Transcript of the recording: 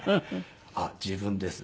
「あっ自分です。